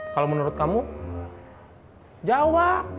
kalau menurut kamu jawab